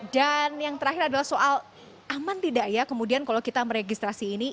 yang terakhir adalah soal aman tidak ya kemudian kalau kita meregistrasi ini